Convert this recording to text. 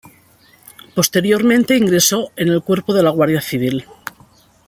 Posteriormente ingresó en el cuerpo de la Guardia Civil.